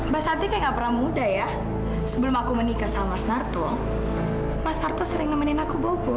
maksudnya kayak pronto ya sebelum aku menikah sama starto soft sponsor sering nemanin aku bobo